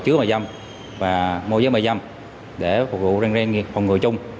chứa mại dâm và mô giới mại dâm để phục vụ rèn rèn nghiệp phòng ngừa chung